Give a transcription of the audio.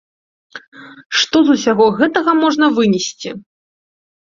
Што з усяго гэтага можна вынесці?